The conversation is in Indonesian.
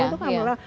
demo itu kan lelah